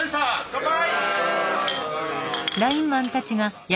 乾杯！